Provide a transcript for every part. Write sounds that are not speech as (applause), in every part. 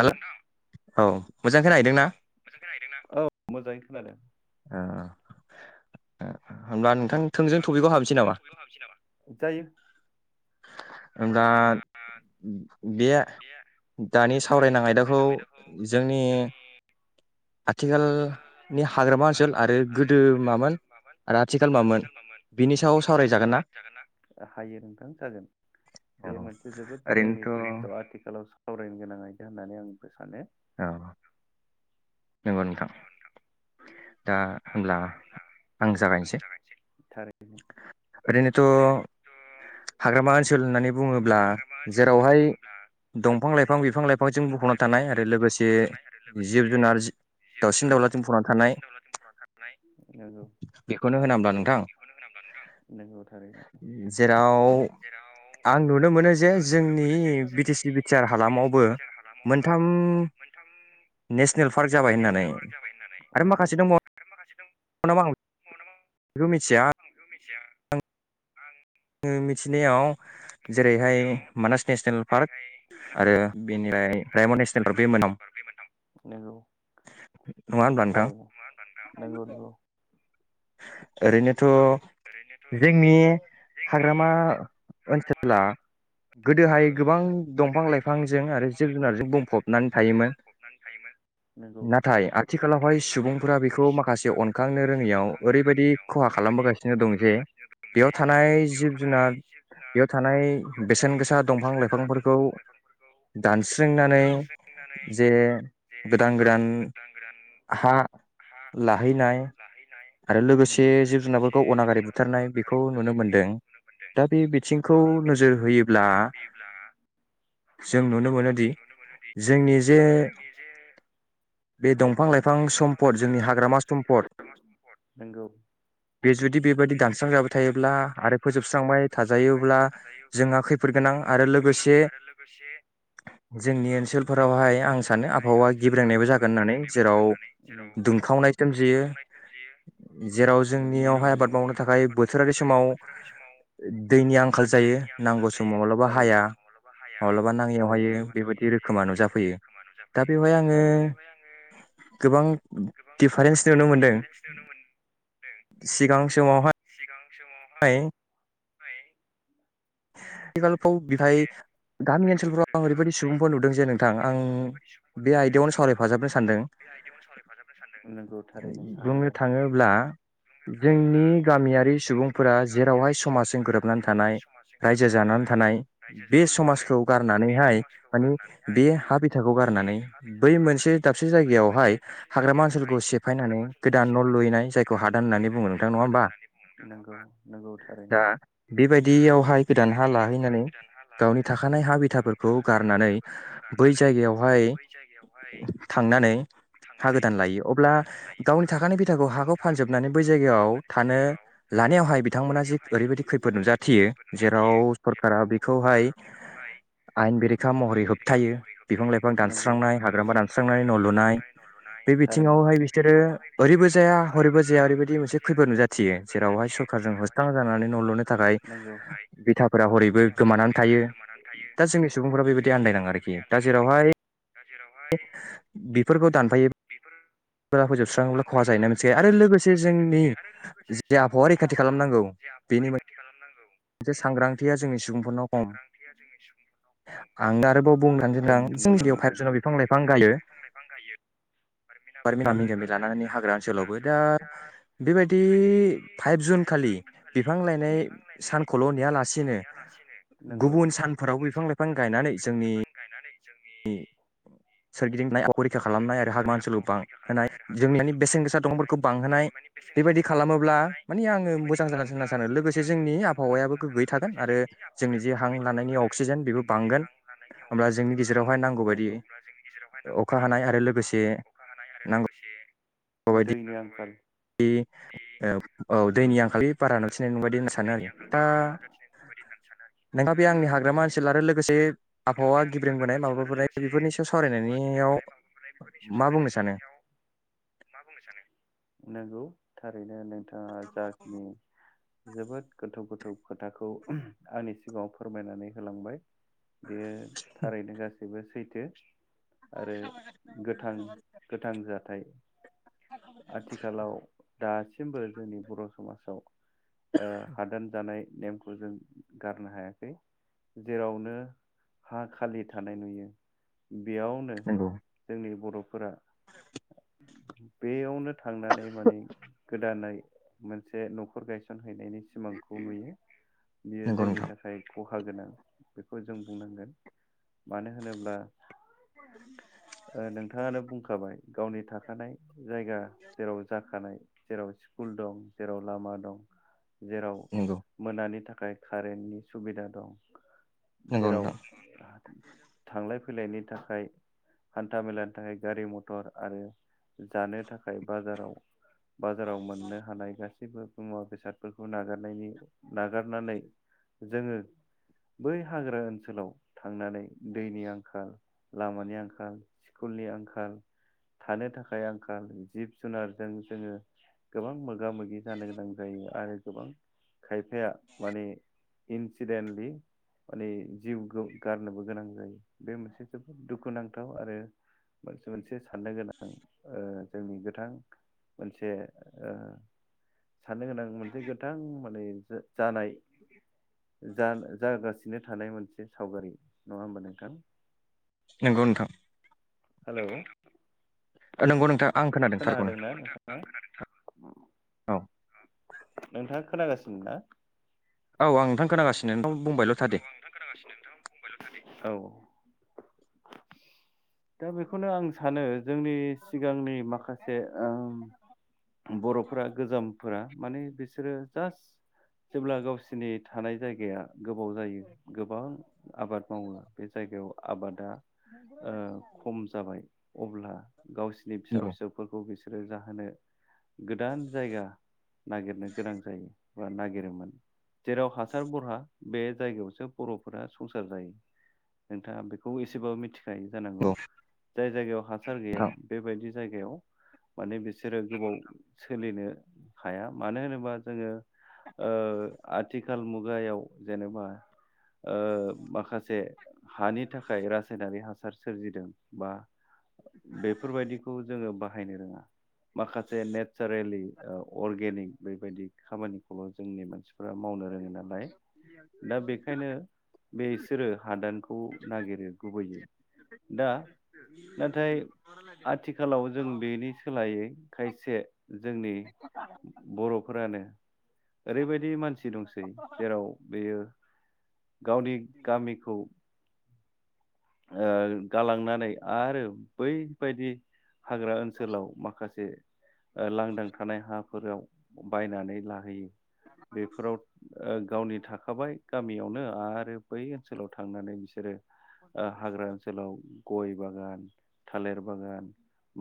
Hello औ मोजां खोनाहैदों ना। औ मोजाङै खोनादों ओ ओ होमब्ला नों होमबा नोंथां थोंजों थफिकाव हाबनिसै नामा जायो दा बे दानि सावरायनां आयदाखौ जोंनि आथिखालनि हाग्रामा ओनसोल आरो गोदो मामोन आरो आथिखाल मामोन बिनि सायाव सावरायजागोन ना हायो नोंथां औ ओरैनोथ' (unintelligible) सानो औ नंगौ नोंथां दा होमब्ला आं जागायनोसै थारैनो रैनो थ हाग्रामा ओनसोल होननानै बुङोब्ला जेरावहाय दंफां लाइफां बिफां लाइफांजों बुंफबना थानाय आरो लोगोसे जिब जुनार जि दावसिन दाउलाजों बुंफबना थानाय नंगौ बेखौनो होना ओमबा नोंथां नंगौ थारैनो जेराव आं नुनो मोनो जे जोंनि B T C B T R हालामावबो मोनथाम नेसनेल पार्क जाबाय होननानै आरो माखासे दंबावो नामा आं बेखौ मिथिया (unintelligible) मिथिया आं आङो मिथिनायाव जेरैहाय मानास नेसनेल पार्क आरो बेनिफ्राय रायमन नेसनेल पार्क बे नंगौ (unintelligible) नङा होनब्ला नोंथां थारैनो नंगौ नंगौ ओरैनो थ जोंनि हाग्रामा ओनसोला गोदोहाय गोबां दंफां लाइफांजों आरो जिब जुनारजों बुंफबनानै थायोमोन नंगौ नाथाय आथिखालावहाय सुबुंफोरा बेखौ माखासे अनखांनो रोङियाव ओरैबायदि खहा खालामबोगासिनो जे बेयाव थानाय जिब जुनार बेयाव थानाय बेसेन गोसा दंफां लाइफांफोरखौ दानस्रिंनानै जे गोदान गोदान हा लाहैनाय आरो लोगोसे नंगौ जिब जुनारफोरखौ अन बुथारनाय बेखौ नुनो मोनदों दा बे बिथिंखौ नोजोर होयोब्ला जों नुनो मोनोदि जोंनि जे बे दंफां लाइफां सम्पद जोंनि हाग्रामा सम्पद सम्पद नोंगौ बे जुदि बेबायदि दानस्रांजाबाय थायोब्ला आरो फोजोबस्रांबाय थाजायोब्ला जोंहा खैफोद गोनां आरो लोगोसे जोंनि ओन्सोलफोरावहाय आं सानो आबहावा गेब्रेंनायबो जागोन होननानै जेराव दुंखावनाय सोमजियो जेराव जोंनियाव मावनो थाखाय बोथोरारि समाव दैनि आंखाल जायो नांगौ समाव माब्लाबा हाया माब्लाबा नाङैयाव थारैनो हायो बेबायदि रोखोमा नुजाफैयो दा बेवहाय आङो दा गोबां दिफारेन्स नुनो मोनदों नुनो मोनदों सिगां समावहाय समावहाय (inaudible) आथिखालफ्राव बेहाय गामि ओन्सोलफ्राव ओरैबायदि सुबुंफोर नुदों जे नोंथां आं बे आयदायावनो सावरायफाजाबनो सानदों बे नंगौ थारैनो सा बुंनो हागोन थाङोब्ला जोंनि गामियारि सुबुंफोरा जेरावहाय समाजजों गोरोबनानै थानाय रायजो जानानै थानाय रायजो बे जानानै थानाय समाजखौ बे गारनानैहाय समाजखौ माने गारनानैहाय बे हा माने बिथाखौ बे गारनानै हा बै बिथाखौ मोनसे गारनानै दाबसे बै जायगायावहाय मोनसे दाबसे हाग्रामा जायगायावहाय ओनसोलखौ सेफायनानै हाग्रामा ओन्सोलखौ गोदान न' सेफायनानै लुहैनाय जायखौ गोदान हादान न' होननानै लुहैनाय बुङो नोंथां जायखौ नङा हादान होमबा होननानै बुंङो दा दा बेबायदियावहाय गोदान हा लाहै गावनि थाखानाय हा बिथाफोरखौ गारनानै बै जायगायावहाय थांनानै हा गोदान लायो अब्ला गावनि थाखानाय बिथाखौ हाखौ फानजोबनानै बै जायगायाव थानो लानायावहाय बिथांमोना जे ओरैबायदि खैफोद नुजाथियो जेराव थियो सरकारा जेराव बेखौहाय सरखारा बेखौहाय आयेन बेरेखा महरै आयेन बेरेखा होबथायो महरै बिफां होबथायो लाइफां बिफां- दानस्रांनाय लाइफां हाग्रामा दानस्रांनाय, न' हाग्रामा लुनाय दानस्रांनानै न' बे लुनाय बिथिङावहाय बे बिसोरो बिथिङावहाय ओरैबो बिसोरो जाया ओरैबो हरैबो जाया ओरैबायदि हरैबो मोनसे जाया खैफोद ओरैबायदि मोनसे नुजाथियो खैफोद जेरावहाय नुजाथियो सरखारजों जेरावहाय होस्रां सरखारजों जानानै न' होस्रां लुनो थाखाय जानानै थाखाय बिथाफोरा गोमानानै थायो दा जोंनि सुबुंफोरा बेबायदि आन्दायनाङो आरोखि दा जेरावहाय बेफोरखौ दानफायो फोजोबस्राङोब्ला खहा जायोना मोनसे आरो लोगोसे जोंनि जे आबहावा रैखाथि खालामनांगौ बेनि मोनसे नोंगौ। मोनसे सांग्रांथिया जोंनि खम आं आरोबाव बुंनानै खौ दोनदों नुनो जोंनियाव फाइभ मोनदों जुनाव बिफां-लाइफां गायो गामि गामि लानानै हाग्रा ओन्सोलावबो दा बेबायदि फाइभ जुन खालि बिफां लायनाय सानखौल' नेयालासिनो लासिनो नोंगौ गुबुन सानफोरावबो गुबुन बिफां लाइफां सानफोराव गायनानै जोंनि बिफां-लाइफां गायनां (unintelligible) जोंनि सोरगिदिंनाय आबहावाखौ रैखा खालामनाय आरो हागामा ओनसोलाव बांहोनाय जों मानि बेसेन गोसा दंफोरखौ बांहोनाय बेबायदि खालामोब्ला माने आङो मोजां जागोन होनना सानो लोगोसे जोंनि आबहावायाबो गोग्गयै थागोन आरो जोंनि जे हां लानायनि अक्सिजेन बेबो बांगोन होमब्ला जोंनि गेजेरावहाय नांगौ बायदि गेजेरावहाय अखा नांगौबायदि हानाय आरो लोगोसे अखा हानाय आरो नांगौ लोगोसे (unintelligible) औ दैनि आंखालनि बारा (unintelligible) बायदि होनना सानो आरो दा नोंथा बे आंनि हाग्रामा ओनसोल आरो लोगोसे आबहावा गिब्रोंबोनाय माबाबोनाय बेफोरनि सायाव सावरायनायनियाव मा बुंनो सानो? नंगौ थार ओंखायनो नोंथाङा जा जोबोद गोथौ गोथौ खोथाखौ आंनि सिगाङाव फोरमायनानै होलांबाय। बेयो थारैनो गास गासैबो सैथो। आरो गोथां गोथां जाथाय आथिखालाव दासिमबो जोंनि बर' (unintelligible) ओ हादान जानाय नेमखौ जों गारनो हायाखै जेरावनो हा खालि थानाय नुयो बेयावनो नंगौ जोंनि बर' फोरा बेयावनो थांनानै माने गोदानै मोनसे न'खर गायसन (unintelligible) सिमांखौ नुयो बियो नंगौ जोंनि नोंथां थाखाय खहा गोनां बेखौ जों बुंनांगोन मानो होनोब्ला ओ नोंथाङानो बुंखाबाय गावनि थाखानाय जायगा जेराव जाखानाय जेराव स्कुल दं जेराव लामा दं जेराव नंगौ मोनानि थाख थाखाय कारेन्टनि सुबिदा दं नंगौ जेराव नोंथां थांलाय फैलायनि थाखाय हान्था मेलानि थाखाय गारि मथर आरो जानो थाखा खाय बाजाराव बाजाराव मोननो हानाय गासै गासैबो मुवा बेसादफोरखौ नागारनायनि नागारनानै जोङो बै हाग्रा ओनसोलाव थांनानै दैनि आंखाल लामानि आंखाल स्कुलनि आंखाल थानो थाखाय आंखाल जिब जुनारजों जोङो गोबां मोगा मोगि जानो गोनां जायो आरो गोबां खायफाया माने इन्सिडेन्टलि माने जिउ गो गारनोबो गोनां जायो बे मोनसे जोबोद दुखुनांथाव आरो मोनसे साननो गोनां ओ जोंनि गोथां मोनसे ओ साननो गोनां मोनसे गोथां माने जानाय जागासिनो। (unintelligible) थानाय मोनसे सावगारि नङा होमबा नोंथां नोंगौ नोंथा हेलौ नोंगौ नोंथा। खोना दोंना नोंथां औ नोंथाङा खोनागासिनो ना? औ आं नोंथां खोनासिनो (unintelligible) औ आं नोंथां खोनागासिनो नोंथां बुबायल' था दे औ दा बेखौनो आं सानो जोंनि सिगांनि माखासे ओम बर'फोरा गोजामफोरा माने बिसोरो जास जेब्ला गावसिनि थानाय जायगाया गोबाव जायो गोबां आबाद मावो बे जायगायाव आबादा ओ खम जाबाय अब्ला गावसोरनिनि फिसा नंगौ फिसौफोरखौ बिसोरो जाहोनो बे गोदान जायगा नागिरनो गोनां जायो। नागिरोमोन जेराव हासार बरहा बे जायगायावसो बर'फोरा संसार जायो नोंथाङा बेखौ एसेबाबो मिथिखौ जाय जानांगौ नंगौ जायगायाव हासार गैया नोंथां बेबायदि जायगायाव माने बिसोरो गोबाव सोलिनो हाया मानो होनोबा जोङो ओ आथिखाल मुगायाव जेनेबा ओ माखासे हानि थाखाय रासायनारि हासार सोरजिदों बा बेफोरबायदिखौ जोङो बाहाय बाहायनो रोंआ माखासे नेचारेलि अर्गेनिक बेबायदि खामानिखौल' जोंनि मानसिफोरा फोर मावनो रोङो नालाय दा बेखायनो बेसोरो हादानखौ नागिरो गुबैयै दा नाथाय आथिखालाव जों बेनि सोलायै खायसे जोंनि बर' फोरानो ओरैबायदि मानसि दंसै बेयो गावनि गामिखौ ओ गालांनानै आरो बैबायदि हाग्रा ओनसोलाव माखासे लांदां थानाय हाफोराव बायनानै लाहैयो बेफोराव ओ गावनि थाख थाबाय गामियावनो आरो बै ओनसोलाव थांनानै बिसोरो ओ हाग्रा ओनसोलाव गय बागान थालिर बागान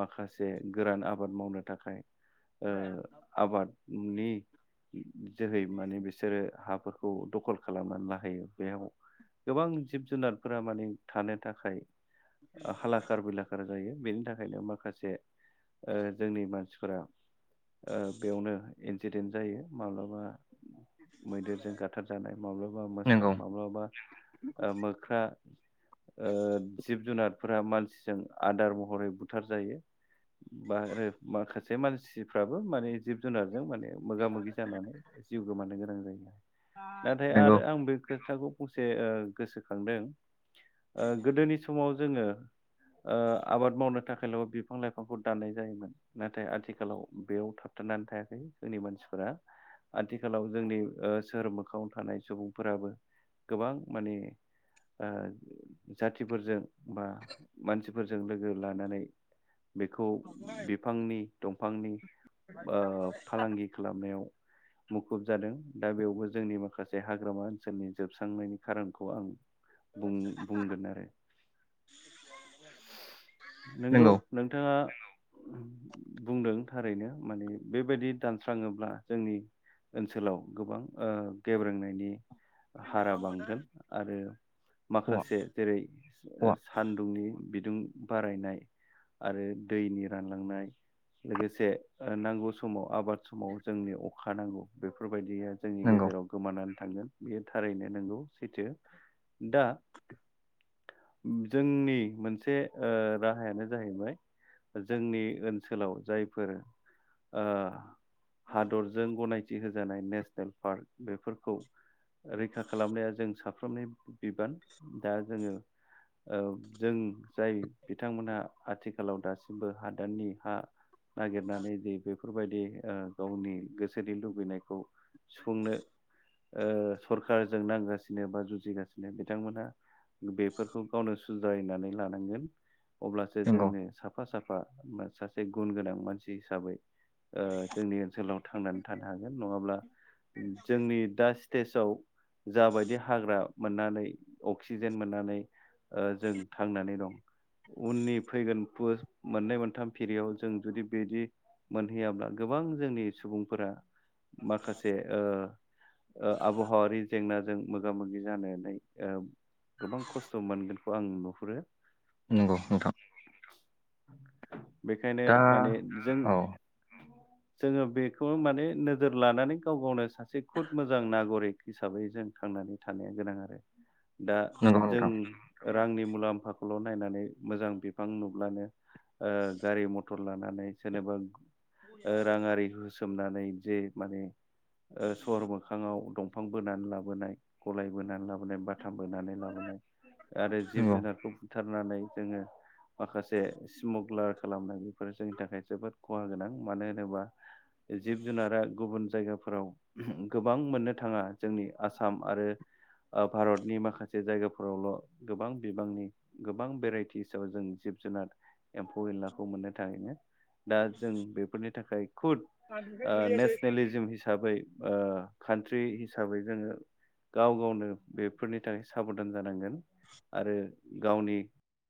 माखासे गोरान आबाद मावनो थाखाय ओ आबादनि जोहै माने बिसोरो हाफोरखौ खौ दखल खालामनानै लाहैयो बेयाव गोबां जिब जुनारफोरा माने थानो थाखाय हालाखारार बिलाखार जायो बेनि थाखाय ओंखायनो माखासे ओ जोंनि मानसिफोरा ओ बेयावनो एक्सिडेन्ट जायो माब्लाबा मैदेरजों गाथारजानाय माब्लाबा मोसा नंगौ माब्लाबा ओ मोख्रा ओ जिब जुनार फोरा मानसि आदार महरै बुथार जायो। बा माखासे मानसिफ्राबो माने जिब जुनार जों माने मोगा मोगि जानानै जिउ गोमानो गोनां जायो। नाथाय नंगौ आरो आं बे खो खोथाखौ फंसे ओ गोसोखांदों। ओ गोदोनि समाव जोङो ओ आबाद मावनो थाखायल बिफां लाइफांखौ दाननाय जायोमोन। नाथाय आथिखालाव बेयाव थाबथानानै थायाखै जोंनि मानसिफोरा आथिखालाव जोंनि ओ सोहोर मोखाङाव थानाय सुबुंफोराबो गोबां माने ओ जाथिफोरजों बा मानसिफोरजों लोगो लानानै बेखौ बिफांनि दंफांनि ओ फालांगि खालामनायाव मुखुब जादों दा बेयावबो जोंनि माखासे हाग्रामा ओनसोलनि जोबस्रांनायनि खारनखौ आं बुं बुंगोन आरो। नंगौ नोंथाङा बुंदों थारैनो माने बेबायदि दानस्राङोब्ला जोंनि ओनसोलाव गोबां गेब्रेंनायनि हारा बांगोन आरो औवा माखासे जे-जेरै औवा सान्दुंनि बि बिदुं बारायनाय आरो दैनि रानलांनाय। लोगोसे नांगौ समाव आबाद समाव जोंनो अखा नांगौ बेफोर बायदिया जोंनि नंगौ गेजेराव गोमानानै थांगोन बियो थारैनो नोंगौ सैथो। दा जोंनि मोनसे ओ राहायानो जाहैबाय जोंनि ओनसोलाव जायफोर ओ हादरजों गनायथि हो जानाय नेसनेल पार्क बेफोरखौ रैखा खालामनाया जों साफ्रोमनि बिबान। दा जोङो औ जों जाय बिथांमोनहा आथिखालाव दासिमबो हादाननि हा नागिरनानै दै बे फोरबायदि ओ गावनि गोसोनि लुबैनायखौ सुफुंनो ओ सरखारजों नांगासिनो बा जुजिगासिनो बिथांमोना बेफोरखौ गावनो सुद्रायनानै लानांगोन। अब्लासो नंगौ जोंनो साफा साफा सासे गुन गोनां मानसि हिसाबै जोंनि ओनसोलाव थांनानै थानो हागोन नङाब्ला जोंनि दासि स्टेजाव जाबायदि हाग्रा मोननानै अक्सिजेन मोननानै ओ जों थांनानै दं उननि फैगोन पुस मोननै मोनथाम फिरियाव जों जुदि बिदि मोनहैयाब्ला गोबां जोंनि सुबुंफोरा माखासे ओ ओ आबहावारि जेंना जों मोगा मोगि जानानै ओ गोबां खस्थ' मोनगोन खौ आं नुहुरो नंगौ नोंथां (inaudible) बेखायनो दा माने जों औ जोङो बेखौ माने नोजोर लानानै गाव गावनो सासे खुद मोजां नागरिक हिसाबै जों थांनानै थानाया गोनां आरो। दा नंगौ जों नोंथां रांनि मुलाम्फाखौ सल' नायनानै मोजां बिफां नुब्लानो ओ गारि मथर मथर लानानै सोरनोबा ओ राङाखौ होसो सोमनानै जे माने ओ सहर मोखाङाव दं दफां बोनानै लाबोनाय गलाय बोनानै लाबोनाय (unintelligible) थामबोनानै लाबोनाय आरो जिब नंगौ जुनारखौ बुथारनानै जोङो माखासे सिमग्लार खालामनाय बेफोरो जोंनि थाखाय जोबोद खहा गोनां मानो होनोबा जिब जुनारा गुबुन जायगाफोराव गोबां मोननो थाङा जोंनि आसाम आरो ओ भारतनि माखासे जायगाफोरावल' गोबां बिबांनि गोबां भेराइटिसाव जों जिब जुनार एम्फौ एनलाखौ मोननो थाङो दा जों बेफोरनि थाखाय खुद ओ नेसनलिज हिसाबै हिसाबै ओ कान्ट्रि हिसाबै जोङो गाव गावनो बेफोरनि थाखाय साबधान जानांगोन आरो गावनि